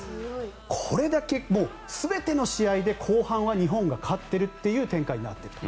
これだけ全ての試合で後半は日本が勝っているという展開になっていると。